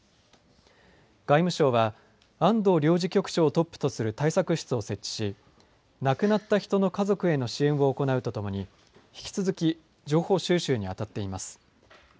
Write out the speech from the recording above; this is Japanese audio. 外務省は安藤領事局長をトップとする対策室を設置し亡くなった人の家族への支援を行うとともに引き続き情報収集にあたっています。